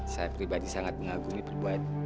saya pribadi sangat mengagumi perbuat